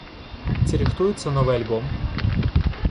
Ці рыхтуецца новы альбом?